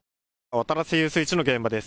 渡良瀬遊水地の現場です。